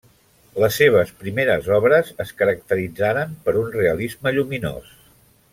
Les seves primeres obres es caracteritzaren per un realisme lluminós.